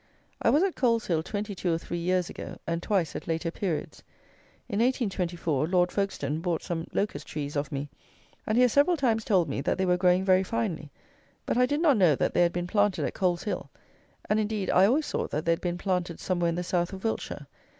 I was at Coleshill twenty two or three years ago, and twice at later periods. In 1824 Lord Folkestone bought some Locust trees of me; and he has several times told me that they were growing very finely; but I did not know that they had been planted at Coleshill; and, indeed, I always thought that they had been planted somewhere in the south of Wiltshire.